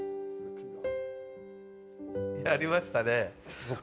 ありましたね。